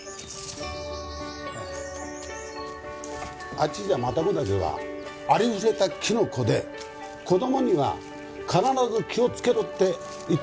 あっちじゃマタゴダケはありふれたキノコで子供には必ず気をつけろって言って聞かせるそうだ。